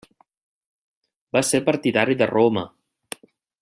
Va ser partidari de Roma.